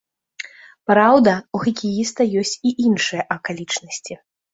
Праўда, у хакеіста ёсць і іншыя акалічнасці.